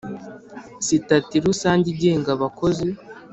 sitati rusange igenga abakozi